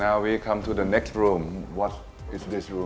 และมีอีกที่ที่ลดลีล่ะ